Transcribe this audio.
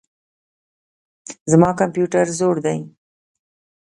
زما کمپيوټر زوړ دئ.